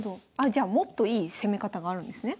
じゃあもっといい攻め方があるんですね。